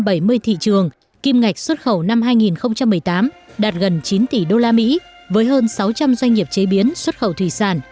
với hơn một trăm bảy mươi thị trường kim ngạch xuất khẩu năm hai nghìn một mươi tám đạt gần chín tỷ đô la mỹ với hơn sáu trăm linh doanh nghiệp chế biến xuất khẩu thủy sản